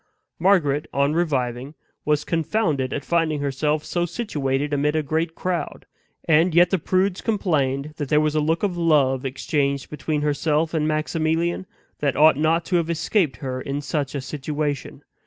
Margaret, on reviving, was confounded at finding herself so situated amid a great crowd; and yet the prudes complained that there was a look of love exchanged between herself and Maximilian, that ought not to have escaped her in such a situation.